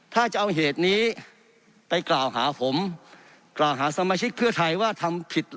ถ้าจะเอาเหตุนี้ไปกล่าวหาผมกล่าวหาสมาชิกเพื่อไทยว่าทำผิด